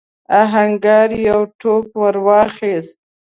آهنګر يو ټوپک ور واخيست.